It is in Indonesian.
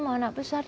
mau anak besar